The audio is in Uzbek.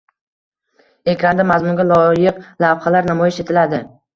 ekranda mazmunga loyiq lavxalar namoyish etiladi.